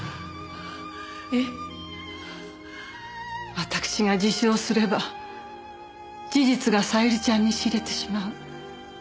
わたくしが自首をすれば事実が小百合ちゃんに知れてしまう。